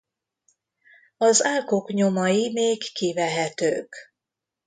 Az árkok nyomai még kivehetők.